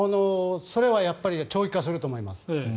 それは長期化すると思います。